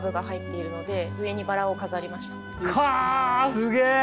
すげえ！